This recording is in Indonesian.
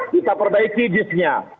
kita perbaiki disk nya